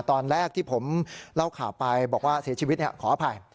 ตอนแรกที่ผมเล่าข่าวไปบอกว่าเสียชีวิตขออภัย